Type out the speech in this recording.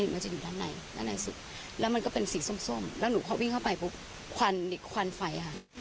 ผู้ติดอยู่นะเธอของไม่ออกไน่